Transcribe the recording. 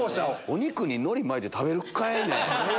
お肉に海苔巻いて食べるかい？